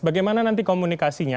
bagaimana nanti komunikasinya